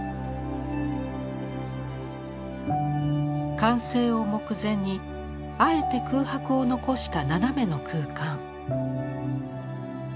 完成を目前にあえて空白を残した斜めの空間。